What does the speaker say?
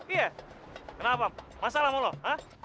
iya kenapa masalah sama lo hah